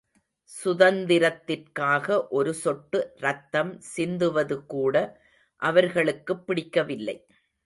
சுதந்திரத்திற்காக ஒரு சொட்டு ரத்தம் சிந்துவதுகூட அவர்களுக்குப் பிடிக்கவில்லை.